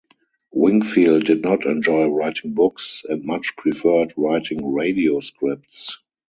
Wingfield did not enjoy writing books, and much preferred writing radio scripts.